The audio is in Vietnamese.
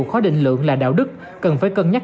khói định lượng là đạo đức cần phải cân nhắc